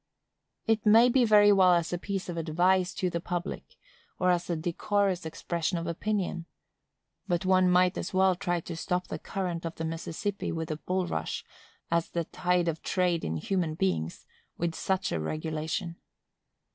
It may be very well as a piece of advice to the public, or as a decorous expression of opinion; but one might as well try to stop the current of the Mississippi with a bulrush as the tide of trade in human beings with such a regulation.